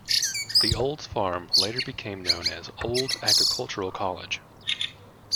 The Olds farm later became known as Olds Agricultural College.